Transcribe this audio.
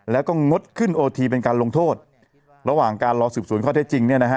แล้วก็งดขึ้นโอทีเป็นการลงโทษระหว่างการรอสืบสวนข้อเท็จจริงเนี่ยนะฮะ